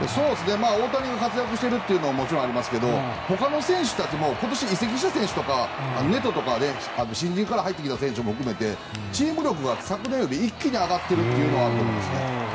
大谷が活躍しているのもありますが他の選手たちも今年移籍した選手とか、ネトとか新人から入ってきた選手も含めてチーム力が昨年よりも一気に上がっているというのがあると思います。